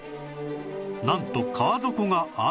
なんと川底があらわに